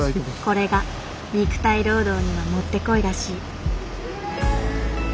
これが肉体労働にはもってこいらしい。